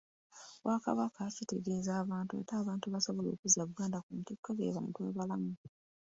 Obwakabaka kitegeeza bantu ate abantu abasobola okuzza Buganda ku ntikko be bantu abalamu.